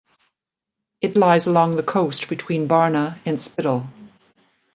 It lies along the coast between Barna and Spiddal.